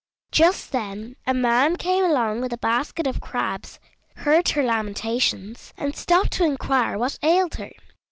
Just then a man came along with a basket of crabs, heard her lamentations, and stopped to inquire what ailed her.